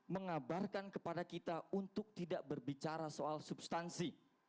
mengabarkan kepada kita untuk tidak berbicara soal substansi